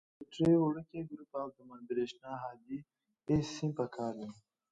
بټرۍ، وړوکی ګروپ او د برېښنا هادي سیم پکار دي.